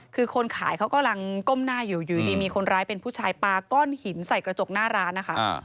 คือคนขายเขากำลังก้มหน้าอยู่อยู่ดีมีคนร้ายเป็นผู้ชายปาก้อนหินใส่กระจกหน้าร้านนะคะ